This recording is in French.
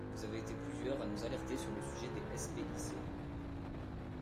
Vous avez été plusieurs à nous alerter sur le sujet des SPIC.